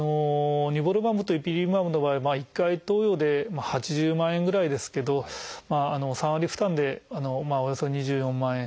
ニボルマブとイピリムマブの場合は１回投与で８０万円ぐらいですけど３割負担でおよそ２４万円。